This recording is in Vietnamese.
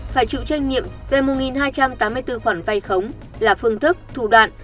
phải chịu trách nhiệm về một hai trăm tám mươi bốn khoản vay khống là phương thức thủ đoạn